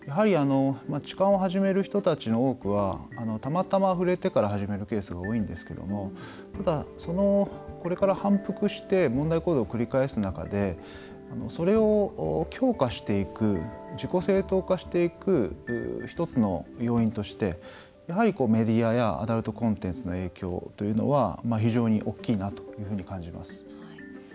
痴漢を始める人たちの多くはたまたま触れてから始めるケースが多いんですけどもただ、これから反復して問題行為を繰り返す中でそれを強化していく自己正当化していく１つの要因としてやはり、メディアやアダルトコンテンツの影響というのは非常に大きいなというふうに感じます。